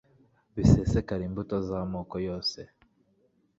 bisesekare imbuto z'amoko yose